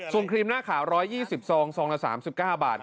ส่วนครีมหน้าขาว๑๒๐ซองซองละ๓๙บาท